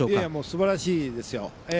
すばらしいですよ。